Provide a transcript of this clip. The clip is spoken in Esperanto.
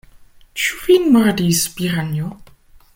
Ĉu vin mordis piranjo?